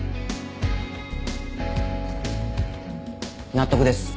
納得です。